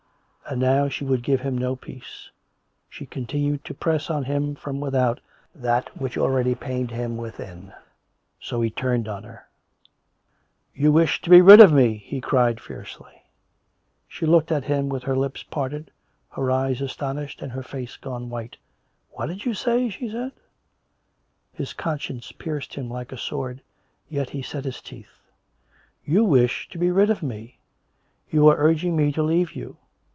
And now she would give him no peace; she continued to press on him from without that which already pained him within; so he turned on her. "You wish to be rid of me !" he cried fiercely. She looked at him with her lips parted, her eyes aston ished, and her face gone white. COME RACK! COME ROPE! 99 " What did you say ?" she said. His conscience pierced him like a sword. Yet he set his teeth. " You wish to be rid of me. You are urging me to leave you.